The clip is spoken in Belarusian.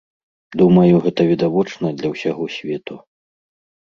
Думаю, гэта відавочна для ўсяго свету.